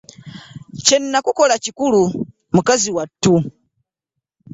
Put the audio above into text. Kye nakukola kikulu mukazi wattu.